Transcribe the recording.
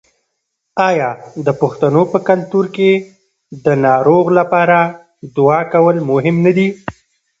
آیا د پښتنو په کلتور کې د ناروغ لپاره دعا کول مهم نه دي؟